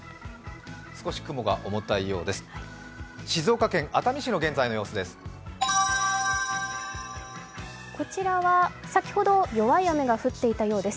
少し雲が重たいようです。